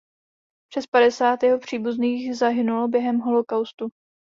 Přes padesát jeho příbuzných zahynulo během holocaustu.